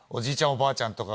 おばあちゃんとか。